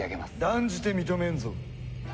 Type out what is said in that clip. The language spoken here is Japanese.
断じて認めんぞ。